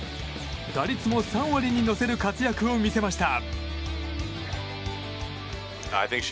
打率も３割に乗せる活躍を見せました。